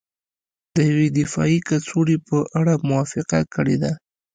د یوې دفاعي کڅوړې په اړه موافقه کړې ده